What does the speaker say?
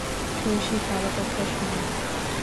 শশী কারো কথা শোনে নাই।